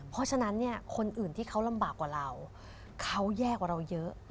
เพราะฉะนั้นเนี่ยคนอื่นที่เขาลำบากกว่าเราเขาแย่กว่าเราเยอะ